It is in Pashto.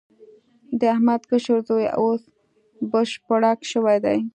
د احمد کشر زوی اوس بشپړک شوی دی.